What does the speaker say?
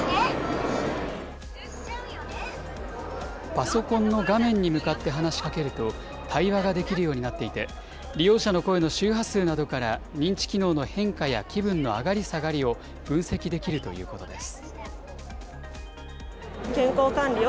パソコンの画面に向かって話しかけると、対話ができるようになっていて、利用者の声の周波数などから、認知機能の変化や気分の上がり下がりを分析できるということです。